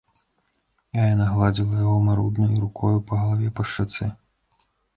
А яна гладзіла яго маруднаю рукою па галаве, па шчацэ.